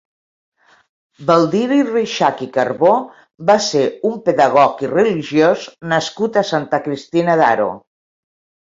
Baldiri Reixac i Carbó va ser un pedagog i religiós nascut a Santa Cristina d'Aro.